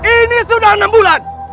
ini sudah enam bulan